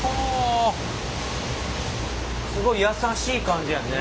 すごい優しい感じやね。